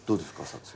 撮影。